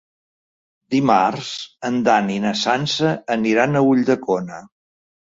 Dimarts en Dan i na Sança aniran a Ulldecona.